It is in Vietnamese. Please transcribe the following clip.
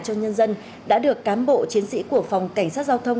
cho nhân dân đã được cán bộ chiến sĩ của phòng cảnh sát giao thông